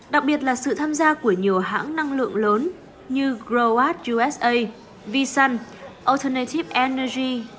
đặc biệt là sự tham gia của nhiều hãng năng lượng lớn như growart usa vsun alternative energy